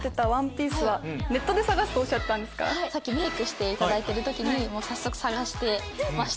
さっきメークしていただいてる時にもう早速探してました。